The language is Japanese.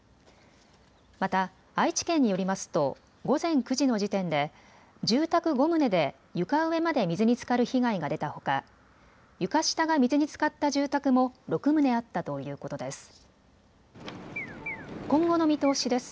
また、愛知県によりますと午前９時の時点で住宅５棟で床上まで水につかる被害が出たほか、床下が水につかった住宅も６棟あったということです。